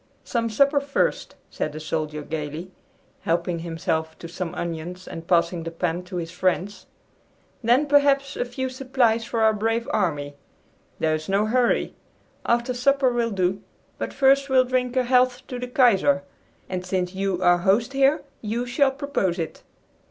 "Some supper first," said the soldier gayly, helping himself to some onions and passing the pan to his friends. "Then, perhaps, a few supplies for our brave army. There is no hurry. After supper will do; but first we'll drink a health to the Kaiser, and since you are host here, you shall propose it!"